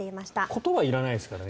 言葉いらないですからね。